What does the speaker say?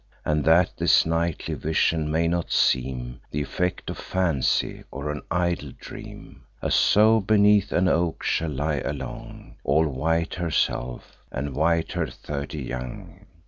And that this nightly vision may not seem Th' effect of fancy, or an idle dream, A sow beneath an oak shall lie along, All white herself, and white her thirty young.